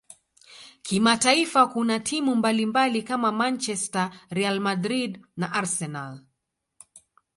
kimataifa kuna timu mbalimbali kama manchester real Madrid na arsenal